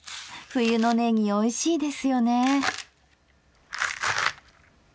冬のねぎおいしいですよね。